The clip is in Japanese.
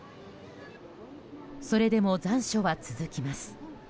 それでも残暑は続きます。